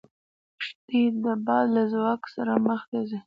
کښتۍ د باد له ځواک سره مخ ته ځي.